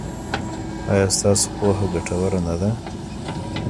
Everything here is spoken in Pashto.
ایا ستاسو پوهه ګټوره نه ده؟